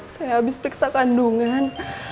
saya habis periksa kandungan